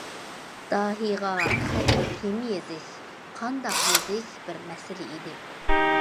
داھىيغا خەتنى كىم يېزىش، قانداق يېزىش بىر مەسىلە ئىدى.